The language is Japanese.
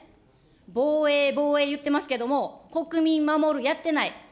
防衛、防衛言ってますけれども、国民守るやってない。